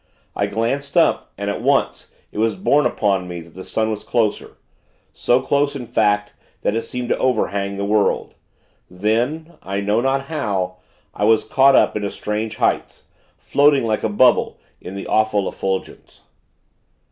I glanced up, and, at once, it was borne upon me, that the sun was closer; so close, in fact, that it seemed to overhang the world. Then I know not how I was caught up into strange heights floating like a bubble in the awful effulgence.